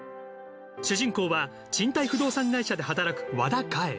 主人公は賃貸不動産会社で働く和田かえ。